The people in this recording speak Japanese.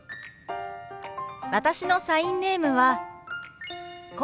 私のサインネームはこうです。